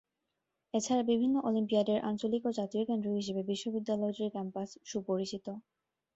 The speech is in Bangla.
এছাড়া বিভিন্ন অলিম্পিয়াডের আঞ্চলিক ও জাতীয় কেন্দ্র হিসেবে বিশ্ববিদ্যালয়টির ক্যাম্পাস সুপরিচিত।